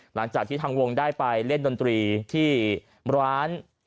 หลังจากที่ทางวงได้ไปเล่นดนตรีที่ร้าน